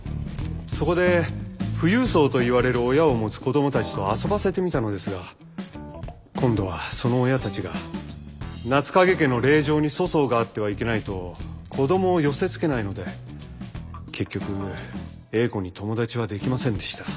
そこで富裕層と言われる親を持つ子どもたちと遊ばせてみたのですが今度はその親たちが夏影家の令嬢に粗相があってはいけないと子どもを寄せつけないので結局英子に友達はできませんでした。